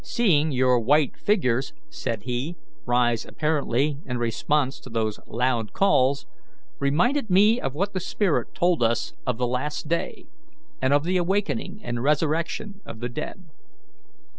"Seeing your white figures," said he, "rise apparently in response to those loud calls, reminded me of what the spirit told us of the last day, and of the awakening and resurrection of the dead."